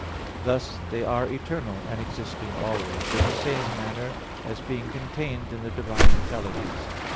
Thus they are eternal, and existing always in the same manner, as being contained in the divine intelligence.